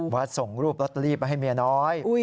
ส่งรูปลอตเตอรี่ไปให้เมียน้อย